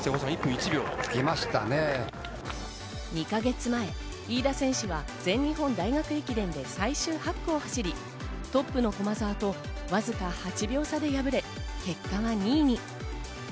２か月前、飯田選手は全日本大学駅伝で最終８区を走り、トップの駒澤とわずか８秒差で敗れ、結果は２位に。